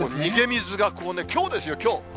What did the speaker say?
みずがね、きょうですよ、きょう。